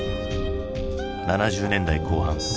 ７０年代後半。